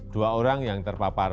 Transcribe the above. dua orang yang terpapar